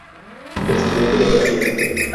Presidente de Brasil